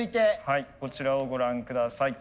こちらをご覧下さい。